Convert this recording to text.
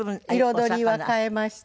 彩りは変えまして